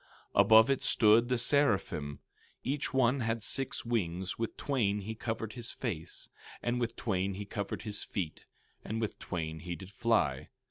16:2 Above it stood the seraphim; each one had six wings; with twain he covered his face, and with twain he covered his feet, and with twain he did fly.